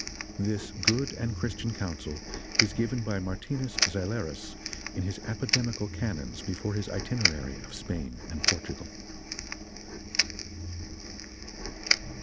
(This good and Christian Counsel is given by Martinus Zeilerus in his Apodemical Canons before his Itinerary of Spain and Portugal.)